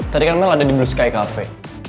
tadi kan mel ada di blue sky cafe